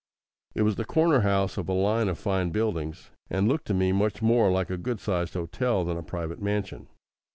It was the corner house of a line of fine buildings, and looked to me much more like a good sized hotel than a private mansion.